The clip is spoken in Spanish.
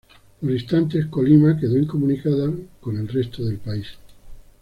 Por instantes, Colima quedó incomunicada con el resto del país.